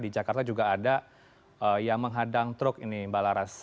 di jakarta juga ada yang menghadang truk ini mbak laras